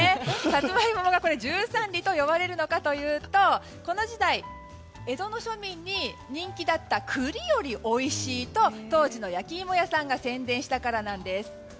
サツマイモが十三里と呼ばれるかというと江戸時代の庶民に人気だった栗よりおいしいと当時の焼き芋屋さんが宣伝したからです。